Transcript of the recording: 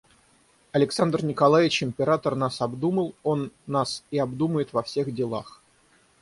Александр Николаевич Император нас обдумал, он нас и обдумает во всех делах.